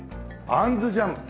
あんずジャム！